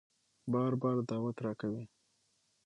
بار بار دعوت راکوي